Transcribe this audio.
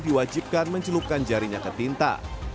diwajibkan mencelupkan jarinya ke tinta